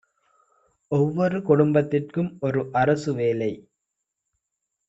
ஒவ்வொரு குடும்பத்திற்கும் ஒரு அரசு வேலை